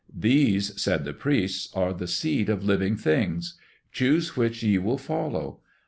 "These," said the priests, "are the seed of living beings. Choose which ye will follow.